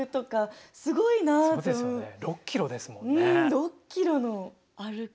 ６キロの歩く。